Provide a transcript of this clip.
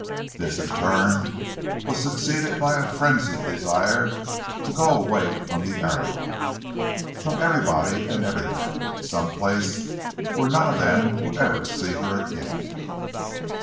This in turn was succeeded by a frenzied desire to go away from the Arrow—from everybody and everything—to some place where none of them would ever see her again.